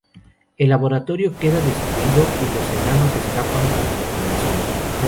El laboratorio queda destruido y los enanos escapan junto con el zombi.